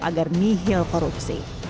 agar tidak terjadi kegagalan